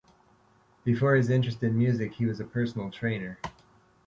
Before his interest in music, he was a personal trainer.